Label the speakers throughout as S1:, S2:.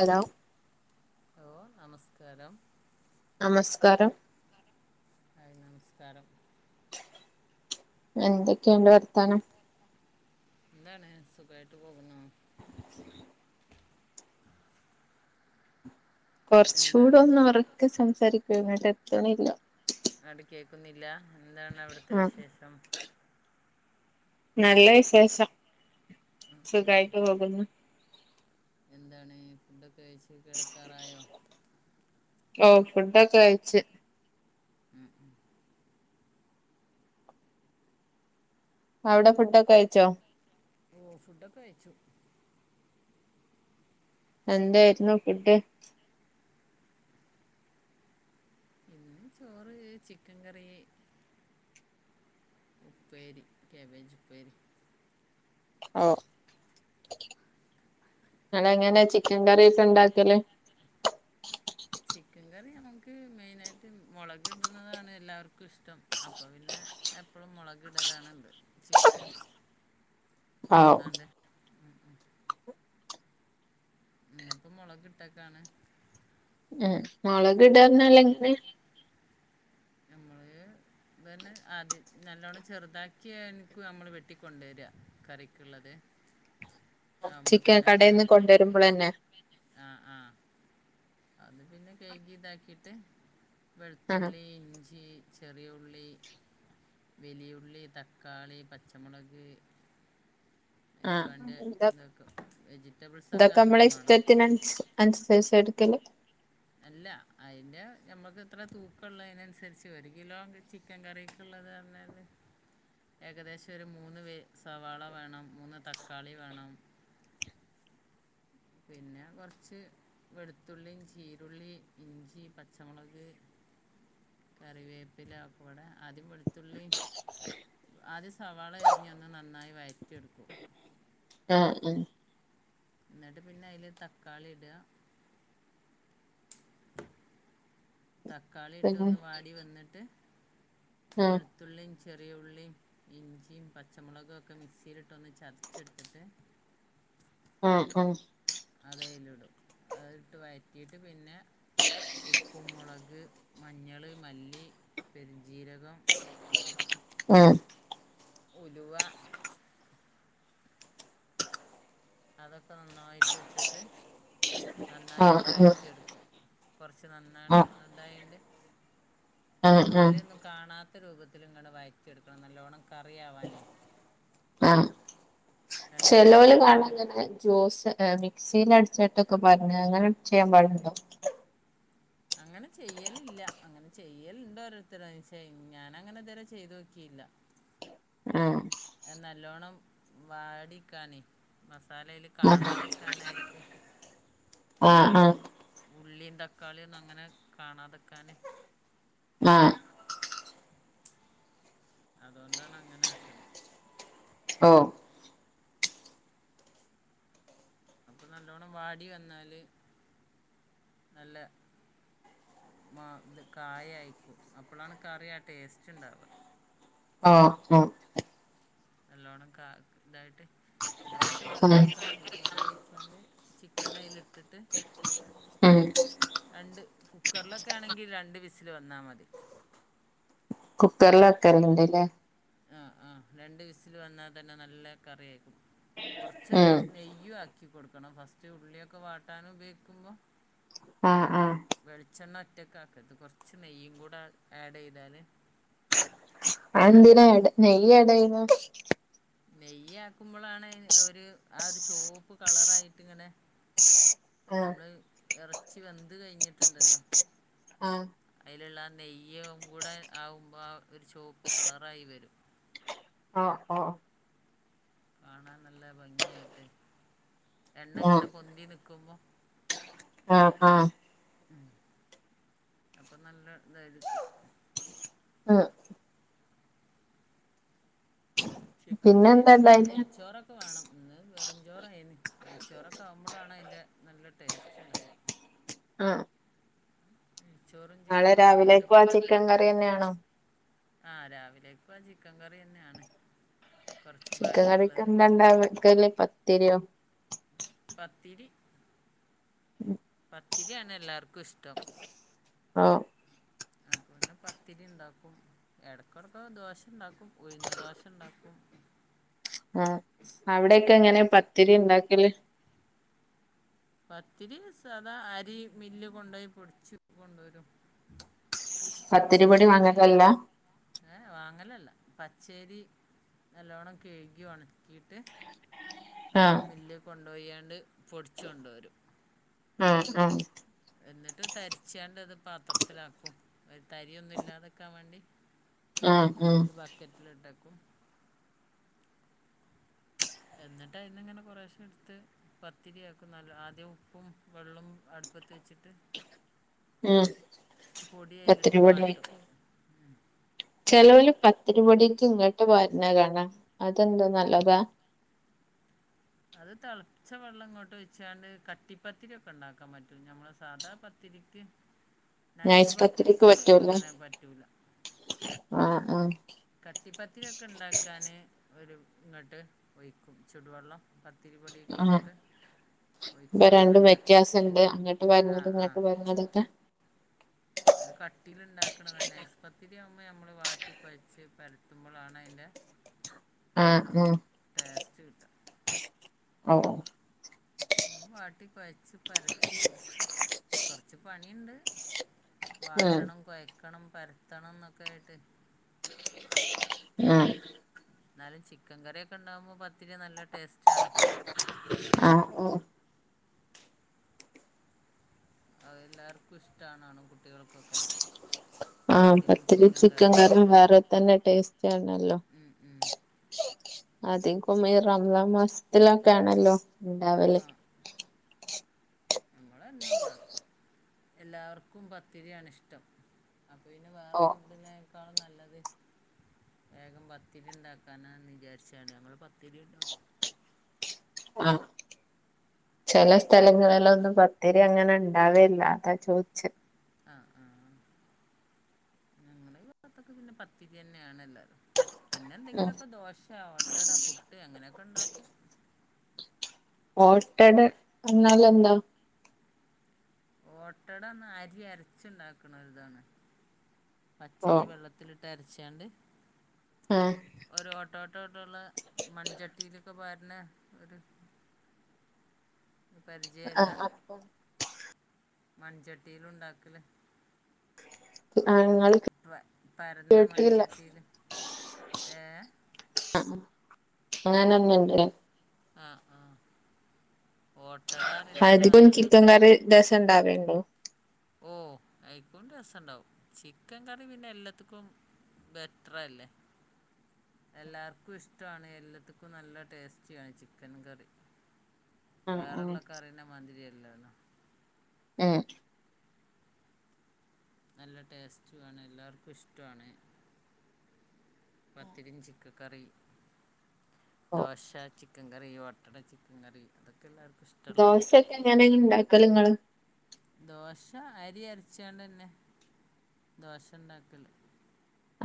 S1: Hello
S2: hello നമസ്കാരം
S1: നമസ്കാരം
S2: hi നമസ്കാരം
S1: എന്തെക്കെണ്ട് വർത്താനം?
S2: എന്താണ് സുഖായിട്ട് പോകുന്നു. എന്താണ്
S1: കൊർച്ചൂടൊന്നൊറക്കെ സംസാരിക്കോ ഇങ്ങട്ടെത്ത്ണില്ല.
S2: അങ്ങട്ട് കേക്കുന്നില്ല എന്താണ് അവ്ട്ത്തെ
S1: ആ
S2: വിശേഷം?
S1: നല്ല വിശേഷം. സുഖായിട്ട് പോകുന്നു.
S2: എന്താണ് ഫുഡൊക്കെ കഴിച്ച് കെടക്കാറായോ?
S1: ഓഹ് ഫുഡൊക്കെ കയിച്ച്.
S2: ഉം ഉം
S1: അവ്ടെ ഫുഡോക്കെ ക്കഴിച്ചോ?
S2: ഓഹ് ഫുഡൊക്കെകയ്ച്ചു.
S1: എന്തായിരുന്നു ഫുഡ്?
S2: ഇന്ന് ചോറ് ചിക്കൻ കറി ഉപ്പേരി കേബേജ് ഉപ്പേരി
S1: ഓഹ് ന്നട്ടെങ്ങനെ ചിക്കൻ കറിയക്കെ ണ്ടാക്കല്
S2: ചിക്കൻ കറി നമ്മക്ക് മെയിനായിട്ട് മൊളക്ട്ണതാണ് എല്ലാവർക്കും ഇഷ്ടം അപ്പ പിന്നെ എപ്പളും മുളകിടലാണെന്ത് ചിക്കൻ
S1: [inaudible] [unintelligible]
S2: കൊണ്ടന്നാണ്ട് ഉം ഉം ന്ന്പ്പ മൊളക് ട്ടക്കാണ്
S1: ഉം മൊളക് ടാന്നറ്ഞ്ഞാലെങ്ങനെ
S2: നമ്മള് ഇതെന്നെ ആദ്യം നല്ലോണം ചെറുതാക്കിയര്ക്കു നമ്മള് വെട്ടിക്കൊണ്ടോരാ കറിക്ള്ളത്
S1: ചിക്കൻ കടേന്ന് കൊണ്ടരുമ്പളെന്നെ
S2: ആഹ് ആഹ് അത് പിന്നെ കഴ്കി താക്കീട്ട്
S1: ആ
S2: വെളുത്തുള്ളി ഇഞ്ചി ചെറിയ ഉള്ളി വെലിയുള്ളി തക്കാളി പച്ചമുളക് ഒക്കെ
S1: ആഹ്
S2: വേണ്ട ഇതൊക്കെ വെജിറ്റബിൾസൊക്കെ
S1: ഇതൊക്കമ്മളെ
S2: അത്രയും വേണം
S1: ഇസ്തത്തിനൻസര്ച്ച് അൻസര്ചാ ഇട്ക്കല്
S2: അല്ല അയിന്റെ നമ്മക്കെത്രേ തൂക്കള്ളെനെയിനന്സരിച്ച് ഒരു കിലോണ്ട് ചിക്കന് ചിക്കൻ കറീക്ക്ള്ളത് റ്ഞ്ഞാല് ഏകദേശം ഒരു മൂന്ന് വെ സവാള വേണം മൂന്ന് തക്കാളി വേണം
S1: [unintelligible]
S2: പിന്നെ കൊറച്ച് വെളുത്തുള്ളിം ചീരുള്ളി ചീരുള്ളി ഇഞ്ചി പച്ചമുളക് കറിവേപ്പില ഒക്കപ്പാടെ ആദ്യം വെളുത്തുള്ളി ആദ്യ സവാള എരിഞ്ഞൊന്ന് നന്നായി വയറ്റി എടുക്കും
S1: ഏഹ് ഏഹ്
S2: ന്നട്ട് പിന്നെ അയ്ല് തക്കാളി ഇടാ തക്കാളി
S1: പിന്നെ
S2: ഇട്ടൊന്ന് വാടി വന്നിട്ട്
S1: ആ
S2: വെളുത്തു വെളുതുള്ളീം ചെറിയ ഉള്ളീം ഇഞ്ചിമ് പച്ചമുളക് ഒക്കെ മിക്സിയിലിട്ടൊന്ന് ചതച്ചെടുത്ത്ട്ട്
S1: ആഹ് ആഹ്
S2: അതയില് ഇടും അത് ഇട്ട് വയറ്റീട്ട് പിന്നെ ഉപ്പും മൊളക് മഞ്ഞള് മല്ലി പെരിഞ്ചീരകം
S1: ഓഹ്
S2: ഉലുവ അതൊക്കെ നന്നായിട്ട് ഇട്ട്ട്ട്
S1: ആ
S2: നന്നായിട്ട്
S1: ആ
S2: വയറ്റിയെടുക്കും കുറച്ച് നന്നാണം
S1: ആഹ്
S2: ഇതായണ്ട്
S1: ആഹ് ആഹ്
S2: തക്കാളിയൊന്നും കാണാത്ത രൂപത്തില്ങ്ങനെ വയറ്റിയെഡ്ക്കണം നല്ലോണം കറിയാവാനേയ്
S1: ആഹ്
S2: നല്ല
S1: ചെലോല്
S2: കായം
S1: കാണാ
S2: പോലെ
S1: ജ്യൂസ് മിക്സിൽ അടിച്ചിട്ടൊക്കെ പറഞ്ഞ് അങ്ങനെ ചെയ്യാൻ പാടുണ്ടോ
S2: അങ്ങനെ ചെയ്യലില്ല അങ്ങനെ ചെയ്യലണ്ടോരോരുത്തര് ചെ ഞാനങ്ങനെ ഇതുവരെ ചെയ്തോക്കിയില്ല
S1: ആഹ്
S2: നല്ലോണം വാടിക്കാനേ മസാല അയില് കാണാതെക്കാനായിരിക്കും
S1: ആഹ് ആഹ്
S2: ഉള്ളീം തക്കാളിയൊന്നങ്ങനെ കാണാതെക്കാന്
S1: ആഹ്
S2: അതോണ്ടാണങ്ങനെ ആക്ക്ണ
S1: ഓഹ്
S2: അപ്പ നല്ലോണം വാടി വന്നാല് നല്ല ഉമ്മ ഇത് കായായിക്കും അപ്പളാണ് കറിയ ടേസ്റ്റ് ഇണ്ടാവുക
S1: ആഹ് ആഹ്
S2: നല്ലോണം കാ ഇതായിട്ട് പിന്നെ കുറച്ച്
S1: ഉം
S2: വെള്ളം ഒയ്ക്കണം എന്നിട്ട് വെള്ളം ഒയ്ച്ചാണ്ട് ചിക്കൻ അയില് ഇട്ടിട്ട്
S1: ഉം
S2: രണ്ട് കുക്കറിലൊക്കെ ആണെങ്കി രണ്ട് വിസില് വന്നാ മതി
S1: കുക്കറിൽ വെക്കല്ണ്ട്ല്ലേ
S2: ആഹ് ആഹ് രണ്ട് വിസില് വന്നാൽ തന്നെ നല്ല കറി ആയിരിക്കും കുറച്ചൊരു
S1: ഉം
S2: നെയ്യും ആക്കി കൊടുക്കണം ഫസ്റ്റ് ഉള്ളിയൊക്കെ വാട്ടാനും ഉപയോഗിക്കുമ്പോ
S1: ആഹ് ആഹ്
S2: വെളിച്ചെണ്ണ ഒറ്റക്കെ ആക്കത് കൊറച്ച് നെയ്യും കൂടെ ആഡ് ചെയ്താല്
S1: അത് എന്തിനാ എട നെയ്യ അടയിന
S2: നെയ്യ് ആക്കുമ്പോളാണ് ഒരു ആ ഒരു ചോപ്പ് കളറായിട്ട് ഇങ്ങനെ
S1: ആഹ്
S2: നമ്മള് ഇറച്ചി വെന്ത് കഴിഞ്ഞിട്ടുണ്ടല്ലോ
S1: ആഹ്
S2: അയിലുള്ള നെയ്യും കൂടെ ആവുമ്പോ ആ ഒരു ചുവപ്പ് കളറായി വരും
S1: ആഹ് ആഹ്
S2: കാണാൻ നല്ല ഭംഗിയായിട്ട് എണ്ണ
S1: ഓഹ്
S2: ഇങ്ങനെ പൊന്തി നിക്കുമ്പോ
S1: ആഹ് ആഹ്
S2: ഉം അപ്പം നല്ല ഇതാരിക്കും
S1: ആഹ്
S2: ചിക്കൻ
S1: പിന്നെന്താ
S2: കറിയൊക്കെ ഇണ്ടാവുമ്പ
S1: ഇണ്ടായിനെ
S2: നെയ്ച്ചോറ ക്കെ വേണം ഇന്ന് വെറും ചോറായ്ന് നെയ്ച്ചോറൊക്കെ ആവുമ്പളാണ് അയിൻ്റെ നല്ല ടേസ്റ്റ് ഇണ്ടാവുക
S1: ആഹ്
S2: നെയ്ച്ചോറും
S1: നാളെ
S2: ചിക്കൻ കറിയും ഒരു
S1: രാവിലേക്ക് ആ ചിക്കൻ കറിന്നെയാണോ
S2: ആഹ് രാവിലെക്കും ആ ചിക്കൻ കറി തന്നെയാണ് കുറച്ച്
S1: ചിക്കൻ
S2: ബാക്കിയുള്ളത്
S1: കറിക്കെന്താണ്ടാവാ വെക്കല് പത്തിരിയോ
S2: പത്തിരി
S1: ഉം
S2: പത്തിരിയാണ് എല്ലാവർക്കു ഇഷ്ടം
S1: ഓഹ്
S2: അപ്പ പിന്നെ പത്തിരി ഇണ്ടാക്കും ഇടക്കെടക്ക ദോഷണ്ടാക്കും ഉഴുന്ന് ദോഷണ്ടാക്കും
S1: ആ അവിടൊക്കെ എങ്ങനെ പത്തിരി ഇണ്ടാക്കല്
S2: പത്തിരി സധാ അരി മില്ല് കൊണ്ടോയി പൊടിച്ചു കൊണ്ടുവരും പച്ചരി
S1: പത്തിരിപ്പൊടി വാങ്ങലല്ല
S2: ഏഹ് വാങ്ങലല്ല പച്ചരി നല്ലോണം കെഴുകി ഒണക്കീട്ട് നമ്മള്
S1: ആഹ്
S2: മില്ലി കൊണ്ടുപോയാണ്ട് പൊടിച്ച് കൊണ്ട് വരും.
S1: ആഹ് ആഹ്
S2: എന്നിട്ട് തരിച്ചാണ്ട്ത് പാത്രത്തിലാക്കും. ഒരു തരി ഒന്നു ഇല്ലാതക്കാൻ വേണ്ടി
S1: ആഹ് ഉം
S2: കിറ്റിലിട്ടേക്കും എന്നിട്ട് അയിന്നിങ്ങനെ കൊറേശെ എടുത്ത് പത്തിരി ആക്കും. നല്ല ആദ്യ ഉപ്പും വെള്ളോം അടുപ്പത്തി വെച്ചിട്ട്
S1: ഉം
S2: പൊടി അയിലിട്ട്
S1: പത്തിരിപ്പൊടി
S2: വാട്ടും.
S1: ചെലോല് പത്തിരിപൊടിക്ക് ഇങ്ങട്ട് വര്ന്ന കാണാം. അതെന്താ നല്ലതാ?
S2: അത് തെളച്ച വെള്ളം ഇങ്ങോട്ട് ഒഴിച്ചാണ് കട്ടിപ്പത്തിരിയൊക്കെ ഒണ്ടാക്കാൻ പറ്റും. ഞമ്മളെ സാധാ പത്തിരിക്ക്
S1: നൈസ് പത്തിരിക്ക് പറ്റൂല്ല. ആഹ് ആഹ്
S2: കട്ടിപ്പത്തിരിയൊക്കെ ഉണ്ടാക്കാന് ഒരു ഇങ്ങോട്ട് ഒഴിക്കും ചൂടുവെള്ളം. പ ത്തിരിപ്പൊടിയൊക്കെ ഇങ്ങാട്ട്
S1: അപ്പൊ രണ്ടും വ്യത്യാസണ്ട് അങ്ങോട്ട്
S2: ആ
S1: വരുന്നതും
S2: ആ
S1: ഇങ്ങോട്ട് വരുന്നതൊക്കെ
S2: അത് കട്ടീല്ണ്ടാക്കണതാ നൈസ്പത്തിരി ആവുമ്പ നമ്മള് വാട്ടി കൊഴച്ച് പരത്തുമ്പോഴാണതിന്റെ
S1: ആഹ് ഉം
S2: ടേസ്റ്റ് കിട്ട
S1: ഓഹ്
S2: വാട്ടി കൊഴച്ച് പരത്തി കൊറച്ച് പണീണ്ട്.
S1: ആഹ്
S2: വാട്ടണം, കൊയക്കണം, പരത്തണം എന്നൊക്കായിട്ട്
S1: ആഹ്
S2: എന്നാലും ചിക്കൻ കറിയൊക്കെ ഉണ്ടാവുമ്പോ പത്തിരി നല്ല ടേസ്റ്റാണ്.
S1: ആഹ് ഓഹ്
S2: അത് എല്ലാർക്കും ഇഷ്ടാണ് കുട്ടികൾക്കൊക്കെ.
S1: ആഹ്
S2: പത്തിരിയും
S1: പത്തിരിം ചിക്കൻ
S2: കറിയും
S1: കറിം വേറെ തന്നെ ടേസ്റ്റാണല്ലോ.
S2: ഉം, ഉം.
S1: അധികുമെ റമളാൻ മാസത്തിലൊക്കാണല്ലോ ഉണ്ടാവല്.
S2: നമ്മളെന്നുണ്ടാക്കും എല്ലാവർക്കും പത്തിരിയാണെ ഇഷ്ടം. അപ്പ പിന്നെ വേറെ
S1: ഓ
S2: ഫുഡിനേക്കാളും നല്ലത് വേഗം പത്തിരി ഇണ്ടാക്കാനാന്ന് വിചാരിച്ചണ് നമ്മള് പത്തിരിണ്ടാക്കും.
S1: ആഹ് ചെല സ്ഥലങ്ങളിലൊന്നും പത്തിരി അങ്ങനെ ഇണ്ടാവെ ഇല്ല. അതാ ചോദിച്ചെ.
S2: ആഹ് ആഹ് ആഹ് ഞങ്ങളെ ഈ ഭാഗത്തൊക്കെ പിന്നെ പത്തിരി തന്നെയാണ് എല്ലാരും പിന്നെ
S1: ഉം
S2: എന്തെങ്കിലൊക്കെ ദോശ, ഓട്ടട, പുട്ട് അങ്ങനെയൊക്കണ്ടാക്കും.
S1: ഓട്ടട എന്നാലെന്താ?
S2: ഓട്ടടന്നാ അരി അരച്ച്ണ്ടാക്കണതാണ്.
S1: ഓ
S2: പച്ചരി വെള്ളത്തി ത്തിലിട്ട് അരച്ചാണ്ട്
S1: ആഹ്
S2: ഒരു ഓട്ടോട്ടോട്ടോള്ള മൺചട്ടിയിലൊക്കെ പാരണ ഒരു പരിജയല്ല?
S1: ആഹ് ആഹ്
S2: മൺചട്ടിയില് ഉണ്ടാക്കല്.
S1: ആഹ് ഇങ്ങള്
S2: വെ പരന്ന
S1: കേട്ടില്ല
S2: മൺചട്ടിയില്. ഏഹ്
S1: ആഹ് അങ്ങന [unintelligible]
S2: ആഹ് ആഹ്, ഓട്ടട
S1: അധികും
S2: പറയുന്നതങ്ങനെ.
S1: ചിക്കൻ കറി രസം ഇണ്ടാവേണ്ടോ
S2: ഓ അയിക്കോണ്ട് രസണ്ടാവും ചിക്കൻ കറി പിന്നെ എല്ലത്തിക്കും ബെറ്റർ അല്ലേ എല്ലാർക്കും ഇഷ്ടാണ് എല്ലത്ത്ക്കും നല്ല ടേസ്റ്റിയാണ് ചിക്കൻ കറി
S1: ആഹ്
S2: വേറെ
S1: ആഹ്
S2: ഉള്ള കറിന്റെ മാതിരിയല്ലല്ലോ
S1: ഉം
S2: നല്ല ടേസ്റ്റു ആണ് എല്ലാർക്കും ഇഷ്ടാണ് പത്തിരി ചിക്കൻ കറി
S1: ഓ
S2: ദോശ ചിക്കൻ കറി ഓട്ടട ചിക്കൻ കറി ഇതൊക്കെ എല്ലാർക്കും ഇഷ്ടള്ളല്ലേ
S1: ഇത് എങ്ങനെ ഇണ്ടാക്കല് ഇങ്ങള്
S2: ദോശ അരി അരച്ചാണ്ടന്നെ ദോശ ഇണ്ടാക്കല്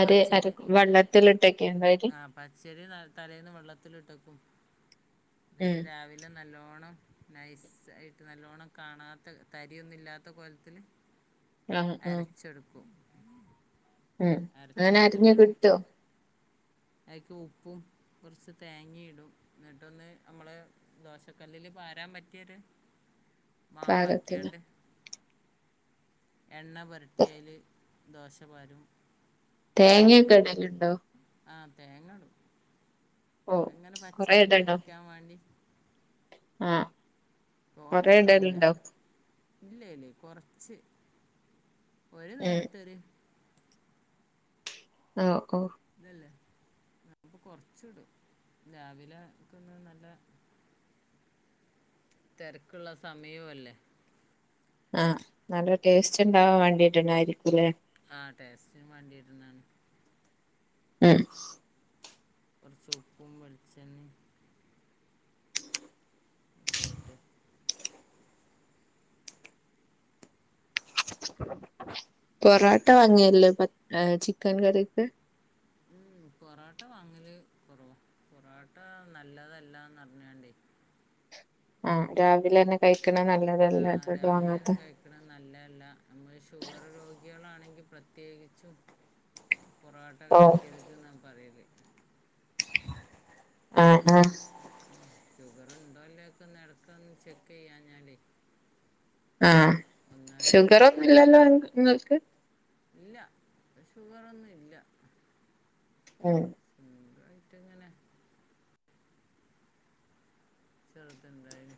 S1: അരി അരക്കും വെള്ളത്തിലിട്ട് വെക്കെണ്ടോ അരി
S2: ആ പച്ചരി തലേന്ന് വെള്ളത്തിലിട്ട് വെക്കും എന്നിട്ട്
S1: ഉം
S2: രാവിലെ നല്ലോണ്ണം നൈസ് ആയിട്ട് നല്ലോണം കാണാത്ത തരിയൊന്നും ഇല്ലാത്ത കൊലത്തില്
S1: ആഹ് ആഹ്
S2: അരച്ചെടുക്കും
S1: ഉം അങ്ങനെ അരിഞ്ഞ്
S2: അരച്ചെടുത്തിട്ട്
S1: കിട്ടോ
S2: അയിക്ക് ഉപ്പും കുറച്ച് തേങ്ങയും ഇടും എന്നിട്ടൊന്ന് നമ്മളെ ദോശക്കല്ലില് പാരൻ പറ്റിയ ഒരു മാവായി
S1: പാകത്തിന്
S2: എണ്ണ പുരട്ടി അതിൽ ദോശ പാരും
S1: തേങ്ങയൊക്കെ ഇടലുണ്ടോ
S2: ആഹ് തേങ്ങ ഇടും
S1: ഓ
S2: അങ്ങനെ
S1: കൊറേ
S2: പച്ചേൽ
S1: ഇടണോ
S2: കടിക്കാൻ വേണ്ടി
S1: ആഹ് കൊറെ
S2: തോനൊന്നും ഇടൂല
S1: ഇടലുണ്ടോ
S2: ഇല്ലടി കൊറച്ച് ഒരു
S1: ഉം
S2: നേരത്തെ ഒര്
S1: ഓ ഓ
S2: ഇതെല്ലേ അപ്പൊ കൊറച്ച് ഇടും രാവിലെ ഒക്ക ഒന്ന് നല്ല തിരക്കുള്ള സമയവും അല്ലേ
S1: ആഹ് നല്ല ടേസ്റ്റ് ഉണ്ടാവാൻ വേണ്ടിട്ടുണ്ടായിരിക്കും അല്ലേ
S2: ആഹ് ടേസ്റ്റിനും വേണ്ടി ഇട്ടുന്നതാണ്
S1: ഉം
S2: കുറച്ച് ഉപ്പും, വെളിച്ചെണ്ണയും ഒക്കെ ആയിട്ട്
S1: പൊറോട്ട വാങ്ങലില്ലേ പ ചിക്കൻ കറിക്ക്
S2: ഉം പൊറോട്ട വാങ്ങല് കിറ വാ പൊറോട്ട നല്ലതല്ലാന്ന് അറിഞ്ഞാണ്ടേ
S1: ആഹ് രാവിലെ തന്നെ കഴിക്കണ നല്ലതല്ല ഇതുകൊണ്ട് വാങ്ങാത്ത
S2: കഴിക്ക്ണ നല്ലതല്ല നമ്മള് ഷുഗർ രോഗികളാണെങ്കിൽ പ്രത്യേകിച്ചും പൊറാട്ട
S1: ഓഹ്
S2: കഴിക്കരുത് എന്നാണ് പറയല്
S1: ആഹ് ആഹ്
S2: ഉം ഷുഗർ ഉണ്ടോ അല്ലേക്കൊന്ന് ഇടക്കപ ഒന്ന് ചെക്ക് ചെയ്യാഞ്ഞാല്
S1: ആഹ്
S2: ഒന്നായിട്ട്
S1: ഷുഗറൊന്നും ഇല്ലല്ലോ നിങ്ങൾക്ക്
S2: ഇല്ല! ഇപ്പൊ ഷുഗറൊന്നും ഇല്ല!
S1: ഉം....
S2: ഒന്നായിട്ട് അങ്ങനെ ചെറുത് എന്തായി?